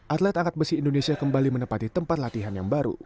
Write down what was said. atlet angkat besi indonesia kembali menempati tempat latihan yang baru